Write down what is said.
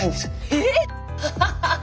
ええ⁉ハハハハ！